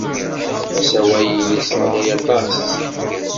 Asawal-innes ɣlay aṭas!